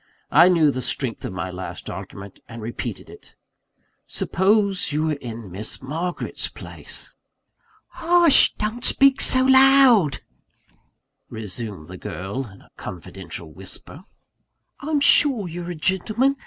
I knew the strength of my last argument, and repeated it: "Suppose you were in Miss Margaret's place?" "Hush! don't speak so loud," resumed the girl in a confidential whisper. "I'm sure you're a gentleman.